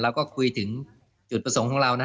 เราก็คุยถึงจุดประสงค์ของเรานะ